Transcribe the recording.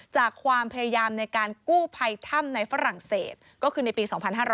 จากความพยายามในการกู้ภัยถ้ำในฝรั่งเศสก็คือในปี๒๕๕๙